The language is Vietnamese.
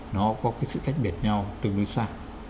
nó có cái sự khác biệt nhau tương đối xa